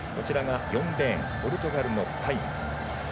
４レーン、ポルトガルのパイン。